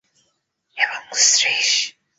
এবং– শ্রীশ।